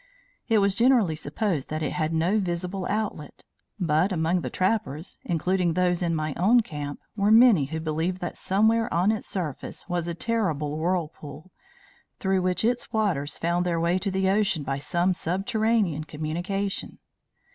It was generally supposed that it had no visible outlet; but, among the trappers, including those in my own camp, were many who believed that somewhere on its surface was a terrible whirlpool, through which its waters found their way to the ocean by some subterranean communication.